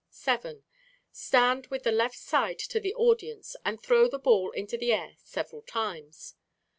7. Stand with the left side to the audience and throw the ball into the air several times.